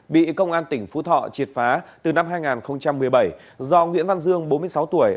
bị công an tỉnh phú thọ triệt phá từ năm hai nghìn một mươi bảy do nguyễn văn dương bốn mươi sáu tuổi